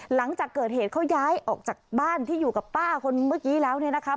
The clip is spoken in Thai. หลังจากเกิดเหตุเขาย้ายออกจากบ้านที่อยู่กับป้าคนเมื่อกี้แล้วเนี่ยนะครับ